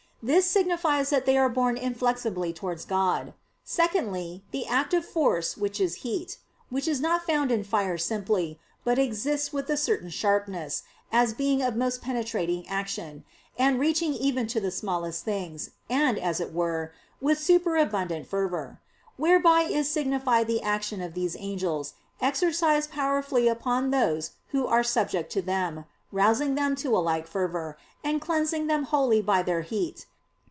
This signifies that they are borne inflexibly towards God. Secondly, the active force which is "heat," which is not found in fire simply, but exists with a certain sharpness, as being of most penetrating action, and reaching even to the smallest things, and as it were, with superabundant fervor; whereby is signified the action of these angels, exercised powerfully upon those who are subject to them, rousing them to a like fervor, and cleansing them wholly by their heat.